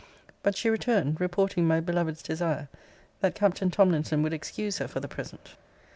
But she returned, reporting my beloved's desire, that Captain Tomlinson would excuse her for the present.